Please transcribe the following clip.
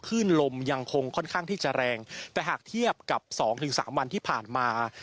ขึ้นลมยังคงค่อนข้างที่จะแรงแต่หากเทียบกับ๒๓วันที่ผ่านมา